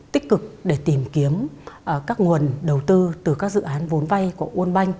tích cực để tìm kiếm các nguồn đầu tư từ các dự án vốn vay của world bank